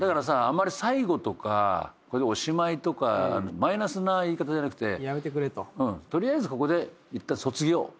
あんまり最後とかこれでおしまいとかマイナスな言い方じゃなくて取りあえずここでいったん卒業。